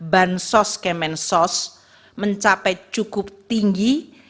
bahan sos kemensos mencapai cukup tinggi